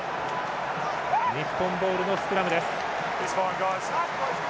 日本ボールのスクラムです。